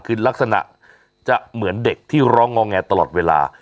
คือลักษณะจะเหมือนเด็กที่ร้องงอแงตลอดเวลา